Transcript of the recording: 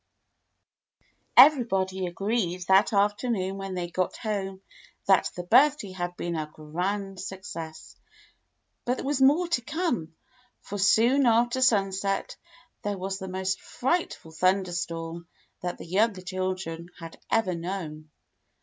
Everybody agreed that afternoon when they got home that the birthday had been a grand success; but there was more to come, for soon after sunset there was the most frightful thunderstorm that the younger children had ever known.